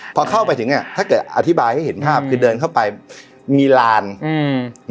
พอเข้าไปถึงอ่ะถ้าเกิดอธิบายให้เห็นภาพคือเดินเข้าไปมีลานอืม